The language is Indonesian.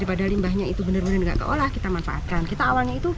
padahal baru tiga yang nyala